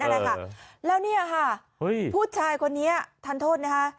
นั่นแหละค่ะแล้วเนี่ยค่ะเฮ้ยผู้ชายคนนี้ทันโทษนะฮะ